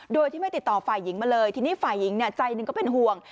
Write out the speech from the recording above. โดยที่ไม่ติดต่อฝ่ายหญิงมาเลยทีนี้ฝ่ายหญิงใจหนึ่งก็เป็นห่วง